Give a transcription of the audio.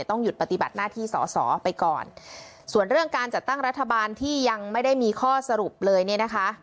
หยุดปฏิบัติหน้าที่สอสอไปก่อนส่วนเรื่องการจัดตั้งรัฐบาลที่ยังไม่ได้มีข้อสรุปเลยเนี่ยนะคะ